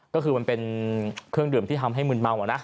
ก็คือมันเป็นเครื่องดื่มที่ทำให้มืนเมาอะนะ